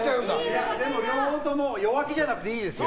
でも両方とも弱気じゃなくていいですよ。